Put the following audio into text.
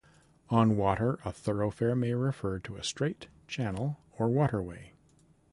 On water a thoroughfare may refer to a strait, channel or waterway.